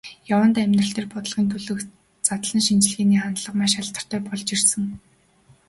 Яваандаа амьдрал дээр, бодлогын төлөөх задлан шинжилгээний хандлага маш алдартай болж ирсэн.